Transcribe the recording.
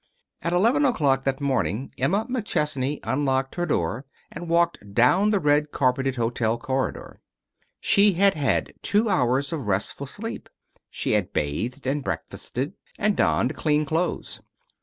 At eleven o'clock that morning Emma McChesney unlocked her door and walked down the red carpeted hotel corridor. She had had two hours of restful sleep. She had bathed, and breakfasted, and donned clean clothes.